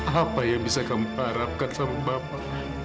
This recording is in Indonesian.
apa yang bisa kamu harapkan sama bapak